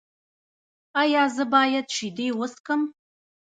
ایا زه باید شیدې وڅښم؟